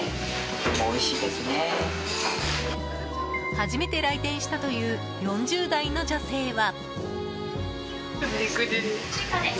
初めて来店したという４０代の女性は。